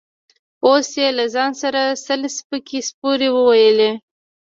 اوس يې له ځان سره سل سپکې سپورې وويلې.